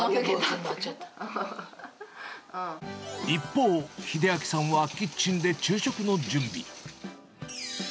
一方、秀暁さんはキッチンで昼食の準備。